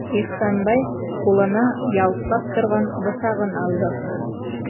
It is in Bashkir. Ихсанбай ҡулына ялтлап торған бысағын алды.